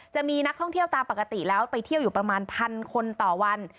จะมีนักท่องเที่ยวตามปกติแล้วไปเที่ยวอยู่ประมาณพันคนต่อวัน